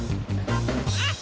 あっ！